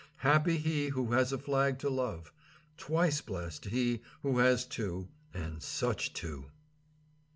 Happy he who has a flag to love. Twice blest he who has two, and such two.